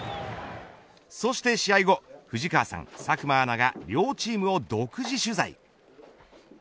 そして試合後藤川さん、佐久間アナが両チームを独自取材。